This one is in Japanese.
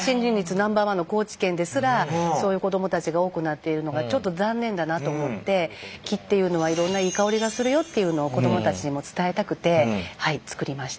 ナンバーワンの高知県ですらそういう子供たちが多くなっているのがちょっと残念だなと思って木っていうのはいろんないい香りがするよっていうのを子供たちにも伝えたくてはい作りました。